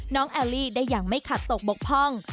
แอลลี่ได้อย่างไม่ขาดตกบกพร่อง